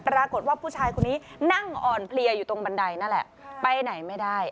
ปรากฏว่าผู้ชายคนนี้นั่งอ่อนเพลียอยู่ตรงบันไดนั่นแหละไปไหนไม่ได้